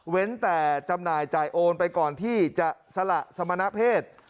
แต่จำหน่ายจ่ายโอนไปก่อนที่จะสละสมณเพศ